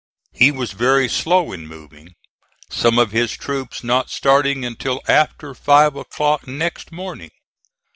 He was very slow in moving, some of his troops not starting until after 5 o'clock next morning.